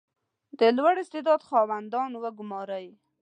• د لوړ استعداد خاوندان وګمارئ.